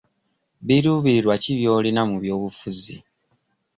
Birubirirwa ki by'olina mu by'obufuzi?